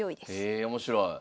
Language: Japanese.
へえ面白い。